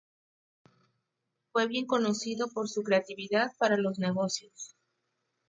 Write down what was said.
Fue bien conocido por su creatividad para los negocios.